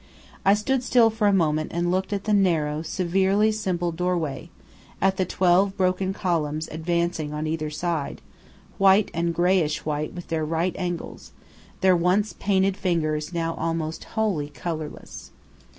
I stood still for a moment and looked at the narrow, severely simple doorway, at the twelve broken columns advanced on either side, white and greyish white with their right angles, their once painted figures now almost wholly colorless.